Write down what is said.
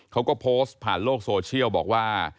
เขาก็โพสต์ผ่านโลกโซเชียลบอกว่า